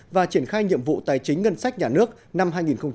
và triển khai nhiệm vụ tài chính ngân sách nhà nước năm hai nghìn một mươi bảy